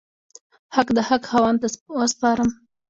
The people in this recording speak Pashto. حق د حق خاوند ته وسپارم.